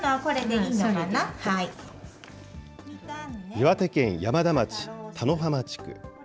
岩手県山田町田の浜地区。